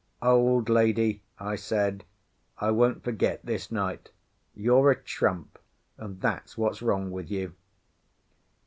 "Old lady," I said, "I won't forget this night. You're a trump, and that's what's wrong with you."